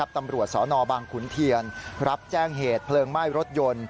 ตำรวจสนบางขุนเทียนรับแจ้งเหตุเพลิงไหม้รถยนต์